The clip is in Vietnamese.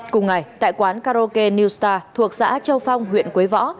cùng ngày tại quán karoke new star thuộc xã châu phong huyện quế võ